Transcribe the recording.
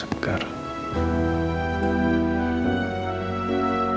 terima kasih ya mas